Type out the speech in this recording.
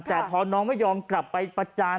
แต่พอน้องไม่ยอมกลับไปประจาน